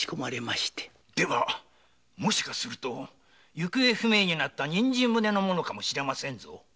では行方不明になった人参船のものかもしれませんぞ。